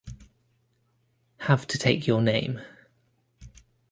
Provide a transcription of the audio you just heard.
Have to take your name.